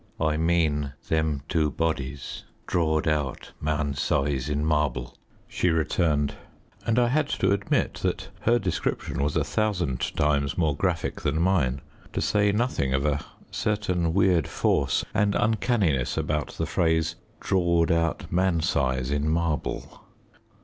"I mean them two bodies, drawed out man size in marble," she returned, and I had to admit that her description was a thousand times more graphic than mine, to say nothing of a certain weird force and uncanniness about the phrase "drawed out man size in marble."